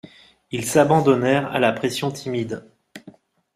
Ils s'abandonnèrent à la pression timide.